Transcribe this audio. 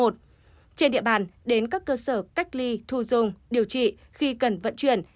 trên địa bàn đến các cơ sở cách ly thu dung điều trị khi cần vận chuyển